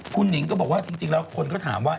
คุณหนิงก็บอกว่าจริงแล้วคนก็ถามว่า